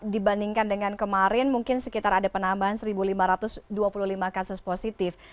dibandingkan dengan kemarin mungkin sekitar ada penambahan satu lima ratus dua puluh lima kasus positif